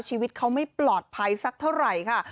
ชีวิตเขาไม่ปลอดภัยสักเท่าไหร่ค่ะ